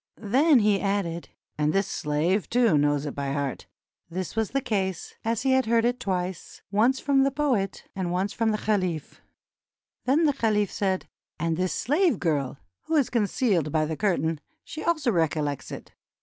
Then he added: "And this slave, too, knows it by heart." This was the case, as he had heard it twice, once from the poet and once SOS AL MANSUR AND THE POET from the caliph. Then the caliph said: "And this slave girl, who is concealed by the curtain, she also recollects it."